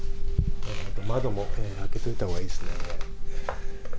窓も開けといたほうがいいですね。